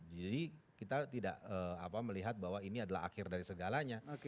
jadi kita tidak melihat bahwa ini adalah akhir dari segalanya